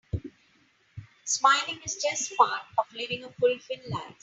Smiling is just part of living a fulfilled life.